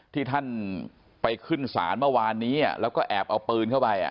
ที่ท่านไปขึ้นศาลเมื่อวานนี้แล้วก็แอบเอาปืนเข้าไป